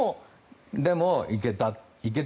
それでも行けた。